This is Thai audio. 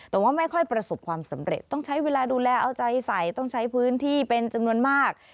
แต่ว่าไม่ค่อยประสบความสำเร็จต้องใช้เวลาดูแลเอาใจใส่ต้องใช้พื้นที่เป็นจำนวนมาก